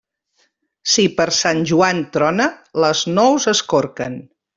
Si per Sant Joan trona, les nous es corquen.